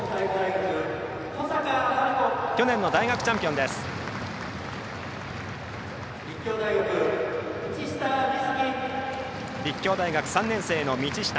去年の大学チャンピオン、保坂。